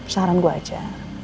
saran gue aja